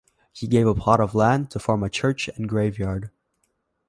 He gave a plot of land to form a church and graveyard.